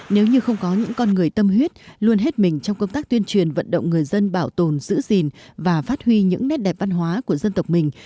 nếu như không có những con người tâm huyết luôn hết mình trong công tác tuyên truyền vận động người dân bảo tồn giữ gìn và phát huy những nét đẹp văn hóa của dân tộc mình